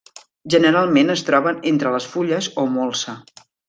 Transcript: Generalment es troben entre les fulles o molsa.